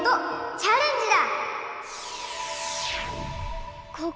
チャレンジだ！